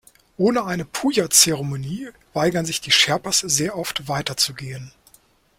Ohne eine Puja-Zeremonie weigern sich die Sherpas sehr oft weiterzugehen.